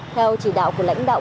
theo chỉ đạo của lãnh đạo